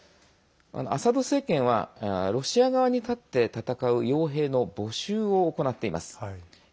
アサド政権はロシア側に立って戦うよう兵の募集を行っています。